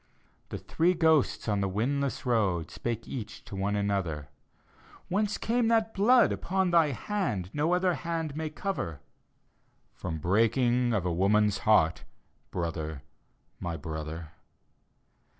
The three ghosts on the windless road. Spake each to one another, " Whence came that blood upon thy hand No other hand may cover?" " From breaking of a woman's heart, Brother, my brother."